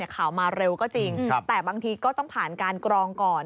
ข่าวมาเร็วก็จริงแต่บางทีก็ต้องผ่านการกรองก่อน